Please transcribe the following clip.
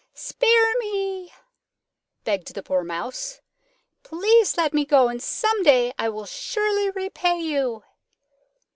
"Spare me!" begged the poor Mouse. "Please let me go and some day I will surely repay you."